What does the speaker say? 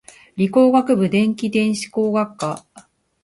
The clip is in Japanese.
理工学部電気電子工学科